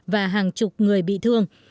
và hàng chục người bị thương